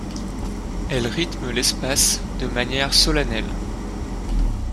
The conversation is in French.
Elles rythment l'espace de manière solennelle.